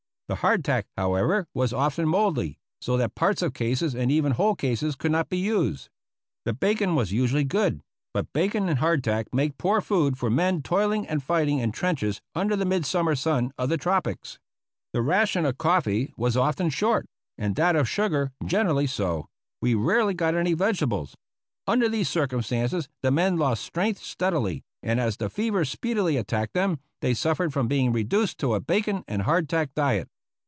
The hard tack, however, was often mouldy, so that parts of cases, and even whole cases, could not be used. The bacon was usually good. But bacon and hardtack make poor food for men toiling and fighting in trenches under the mid summer sun of the tropics. The ration of coffee was often short, and that of sugar generally so ; we rarely got any vegetables. Under these circumstances the men lost strength steadily, and as the fever speedily attacked them, they suffered from being reduced to a bacon and hardtack diet.